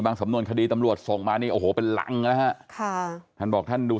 บางสมนวนคดีตำรวจส่งมานี่เป็นหลังหรือค่ะท่านบอกท่านดู